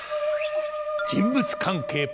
人物関係